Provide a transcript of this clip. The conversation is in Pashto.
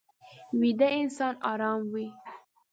ویده انسان ارام وي